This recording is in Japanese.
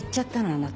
あなた。